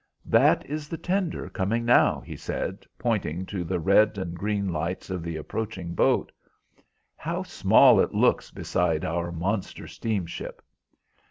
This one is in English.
"That is the tender coming now," he said, pointing to the red and green lights of the approaching boat. "How small it looks beside our monster steamship."